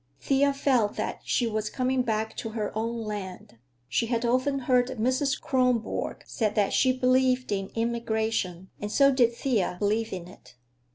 Thea felt that she was coming back to her own land. She had often heard Mrs. Kronborg say that she "believed in immigration," and so did Thea believe in it.